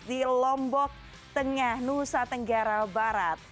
di lombok tengah nusa tenggara barat